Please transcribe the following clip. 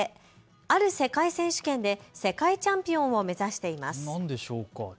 ある世界選手権で世界チャンピオンを目指しています。